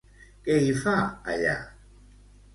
Què hi fa allà?